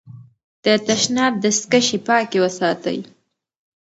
د تشناب دستکشې پاکې وساتئ.